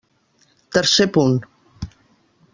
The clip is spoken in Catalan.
Tercer punt.